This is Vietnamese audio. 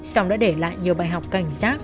xong đã để lại nhiều bài học cảnh giác